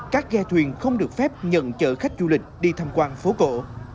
các ghe thuyền không được phép nhận chở khách du lịch đi tham quan phố cổ